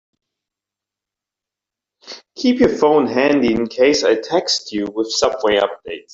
Keep your phone handy in case I text you with subway updates.